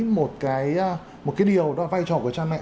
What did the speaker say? một cái điều một cái vai trò của cha mẹ